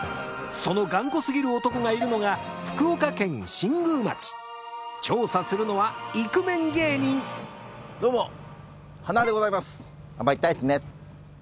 その頑固すぎる男がいるのが福岡県新宮町調査するのはイクメン芸人どうもはなわでございます覚えといてね